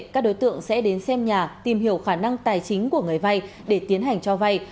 các đối tượng sẽ đến xem nhà tìm hiểu khả năng tài chính của người vay để tiến hành cho vay